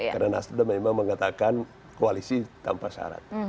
karena nasden memang mengatakan koalisi tanpa syarat